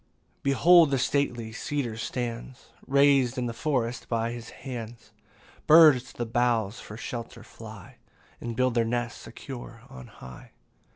13 Behold the stately cedar stands, Rais'd in the forest by his hands: Birds to the boughs for shelter fly And build their nests secure on high.